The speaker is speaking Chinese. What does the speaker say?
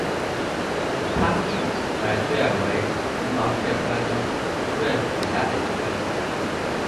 康定耳蕨为鳞毛蕨科耳蕨属下的一个种。